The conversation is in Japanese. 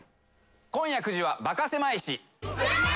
今夜９時は「バカせまい史」。